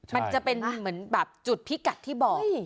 มันจะเป็นเหมือนแบบจุดพิกัดที่บอก